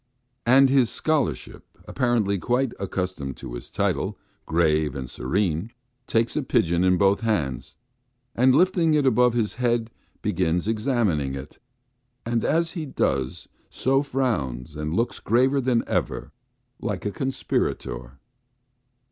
And his "Scholarship," apparently quite accustomed to his title, grave and severe, takes a pigeon in both hands, and lifting it above his head, begins examining it, and as he does so frowns and looks graver than ever, like a conspirator.